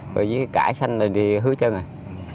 rồi với cái cải xanh thì hứa chân rồi